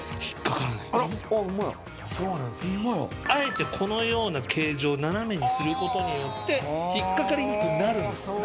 あえてこのような形状斜めにすることによって引っかかりにくくなるんです。